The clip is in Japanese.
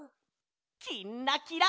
「きんらきら」。